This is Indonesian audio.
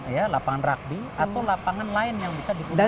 ya lapangan rugby atau lapangan lain yang bisa dikumpulkan